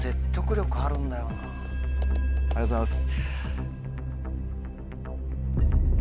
ありがとうございます。